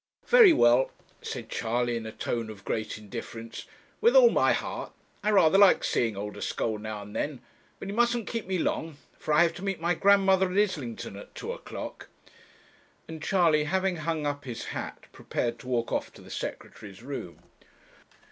'Very well,' said Charley, in a tone of great indifference, 'with all my heart; I rather like seeing Oldeschole now and then. But he mustn't keep me long, for I have to meet my grandmother at Islington at two o'clock;' and Charley, having hung up his hat, prepared to walk off to the Secretary's room.